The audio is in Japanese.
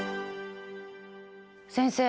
先生